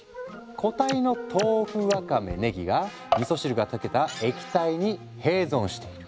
固体の豆腐わかめねぎがみそ汁が溶けた液体に併存している。